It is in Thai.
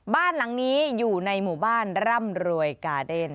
บ้านหลังนี้อยู่ในหมู่บ้านร่ำรวยกาเดน